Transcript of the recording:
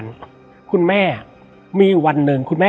และวันนี้แขกรับเชิญที่จะมาเชิญที่เรา